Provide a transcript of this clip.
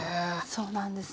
そうなんですよ。